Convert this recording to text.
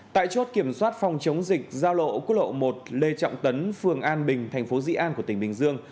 tại chốt kiểm soát phòng chống dịch giao lộ quốc lộ một lê trọng tấn phường an bình tp di an của tỉnh bình dương